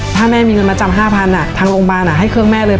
ถ้าแม่มีเงินมาจำ๕๐๐๐ทางโรงพยาบาลให้เครื่องแม่เลย